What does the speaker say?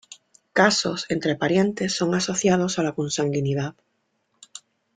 Casos entre parientes son asociados a la consanguinidad.